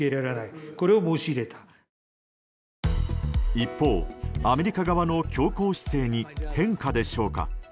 一方、アメリカ側の強硬姿勢に変化でしょうか。